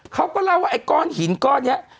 เขาก็เล่าว่าไอ้ก้อนหินก้อนนี้